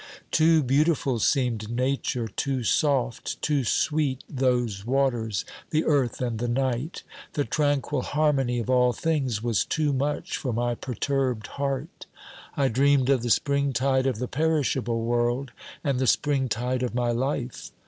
Too beautiful seemed Nature, too soft, too sweet those waters, the earth and the night ; the tranquil harmony of all things was too much for my perturbed heart, I dreamed of the springtide of the perishable world, and the springtide of my life.